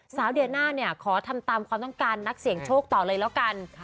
สาวเดียน่าเนี่ยขอทำตามความต้องการนักเสี่ยงโชคต่อเลยแล้วกัน